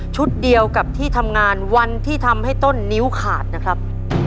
เดียวกับที่ทำงานวันที่ทำให้ต้นนิ้วขาดนะครับ